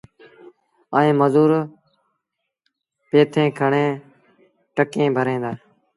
ائيٚݩ مزور پيٿين کڻي ٽڪيٚݩ ڀريٚݩ دآ۔